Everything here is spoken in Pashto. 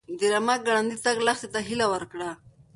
د رمه ګړندی تګ لښتې ته هیله ورکړه.